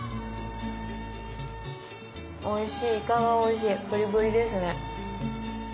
おいしいイカがおいしいプリプリですね。